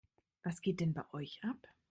Was geht denn bei euch ab?